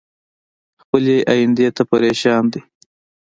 خپلې ايندی ته پریشان ين